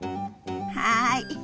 はい！